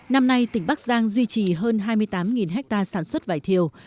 năm nay tỉnh bắc giang duy trì hơn hai mươi tám ha sản xuất vải thiều